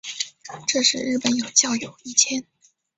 这时日本有教友一千。